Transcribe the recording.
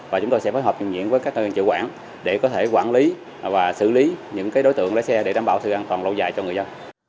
và chúng tôi sẽ phối hợp dùng nhiễm với các doanh nghiệp chủ quản để có thể quản lý và xử lý những đối tượng lấy xe để đảm bảo sự an toàn lâu dài cho người dân